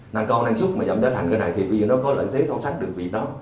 năng cao năng suất mà giảm giá thành cái này thì bây giờ nó có lợi thế tố sắc được vị đó